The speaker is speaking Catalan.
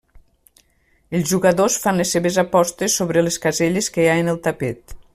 Els jugadors fan les seves apostes sobre les caselles que hi ha en el tapet.